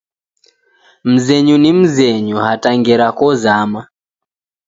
Mzenyu ni mzenyu, hata ngera kozama